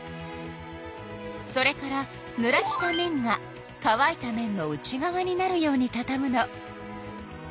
それからぬらした面がかわいた面の内側になるようにたたむの。